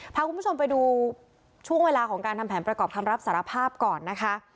พาคุณผู้ชมไปดูช่วงเวลาของการทำแผนประกอบคำรับสารภาพก่อนนะคะ